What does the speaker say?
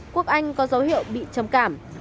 quốc anh có dấu hiệu bị trầm cảm